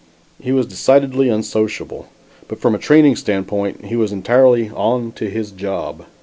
He was decidedly unsociable, but from a training standpoint, he was entirely "on to his job."